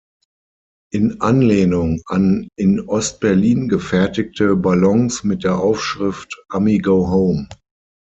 In Anlehnung an in Ost-Berlin gefertigte Ballons mit der Aufschrift "Ami go home!